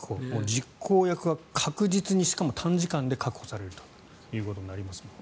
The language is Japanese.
実行役は確実に、しかも短時間で確保されるということになりますが。